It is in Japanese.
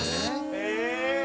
え？